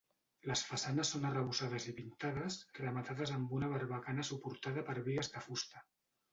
Les façanes són arrebossades i pintades rematades amb una barbacana suportada per bigues de fusta.